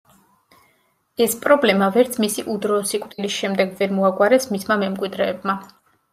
ეს პრობლემა ვერც მისი უდროო სიკვდილის შემდეგ ვერ მოაგვარეს მისმა მემკვიდრეებმა.